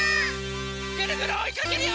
ぐるぐるおいかけるよ！